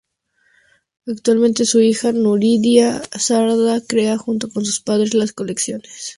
Actualmente su hija Nuria Sardá crea junto con su padre las colecciones.